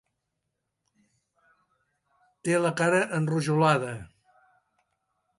Té la cara enrojolada.